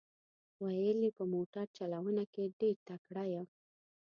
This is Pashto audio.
ویل یې په موټر چلونه کې ډېر تکړه یم.